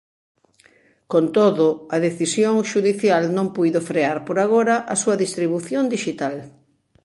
Con todo, a decisión xudicial non puido frear por agora a súa distribución dixital.